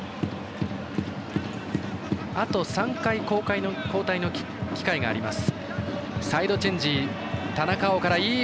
あと３回、交代の機会があります。